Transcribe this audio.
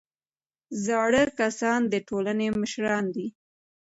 زاړه کسان د ټولنې مشران دي